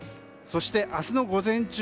そして、明日の午前中